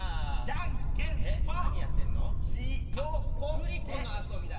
グリコの遊びだ。